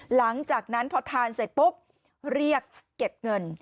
หลังจากนั้นพอทานเสร็จปุ๊บเรียกเก็บเงิน